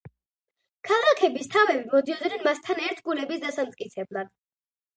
ქალაქების თავები მოდიოდნენ მასთან ერთგულების დასამტკიცებლად.